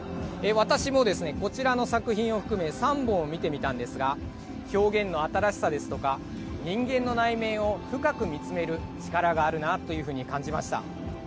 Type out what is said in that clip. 私もですね、こちらの作品を含め３本見てみたんですが表現の新しさですとか人間の内面を深く見つめる力があるなというふうに感じました。